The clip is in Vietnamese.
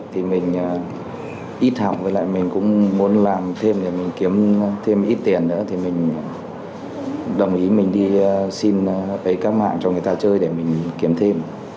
thì mình ít học với lại mình cũng muốn làm thêm để mình kiếm thêm ít tiền nữa thì mình đồng ý mình đi xin với các mạng cho người ta chơi để mình kiếm thêm